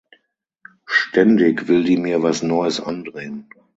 Ständig will die mir was Neues andrehen.